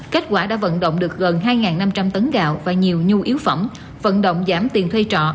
kết quả đã vận động được gần hai năm trăm linh tấn gạo và nhiều nhu yếu phẩm vận động giảm tiền thuê trọ